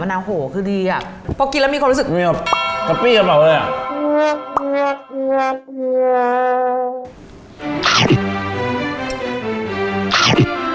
มันน้าโหครับดีอ่ะพอกินแล้วมีความรู้สึกกะปี้กระเบาเลยอ่ะ